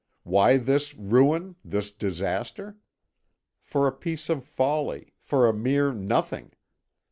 Why this ruin, this disaster? For a piece of folly, for a mere nothing.